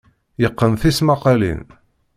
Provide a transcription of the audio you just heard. Yeqqen tismaqqalin.